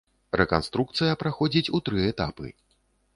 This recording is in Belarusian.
Рэканструкцыя праходзіць у тры этапы.